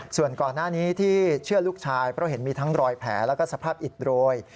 ส่วนก่อนหน้านี้ที่เชื่อลูกชายเพราะเห็นมีทั้งรอยแผลแล้วก็สภาพอิดโรย